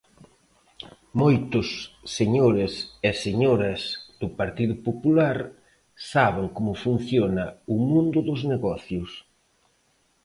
Moitos señores e señoras do Partido Popular saben como funciona o mundo dos negocios.